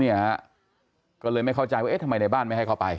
เนี่ยฮะก็เลยไม่เข้าใจว่าเอ๊ะทำไมในบ้านไม่ให้เข้าไป